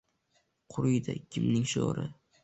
Quriydi kimning sho‘ri?